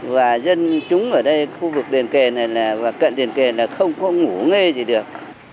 và dân chúng ở đây khu vực đền kền này là và cận đền kền là không có ngủ nghe gì được